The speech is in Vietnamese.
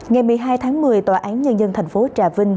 ngày một mươi hai tháng một mươi tòa án nhân dân tp trà vinh